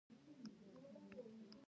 هڅه د عقل او تخیل د کار کولو نښه ده.